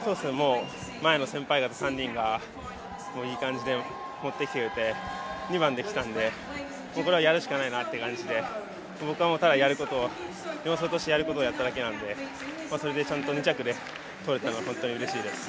前の先輩方３人がいい感じで持ってきてくれて２番できたんでこれはやるしかないなって感じで僕はもう、ただ４走としてやるべきことをやっただけなのでそれでちゃんと２着で取れたのは本当にうれしいです。